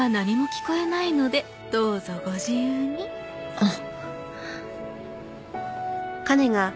あっ。